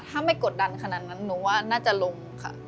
ถ้าไม่กดดันขนาดนั้นหนูว่าน่าจะลงค่ะ